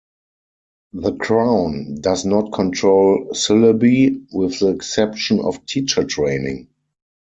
The crown does not control syllabi, with the exception of teacher training.